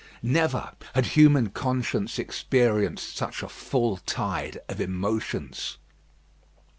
Never had human conscience experienced such a full tide of emotions.